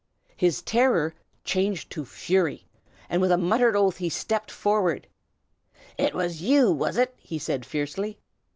His terror changed to fury, and with a muttered oath he stepped forward. "It was you, was it?" he said fiercely.